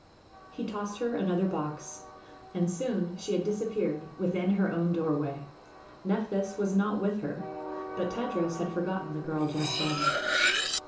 He tossed her another box, and soon she had disappeared within her own doorway. Nephthys was not with her, but Tadros had forgotten the girl just then.